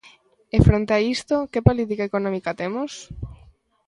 E, fronte a isto, ¿que política económica temos?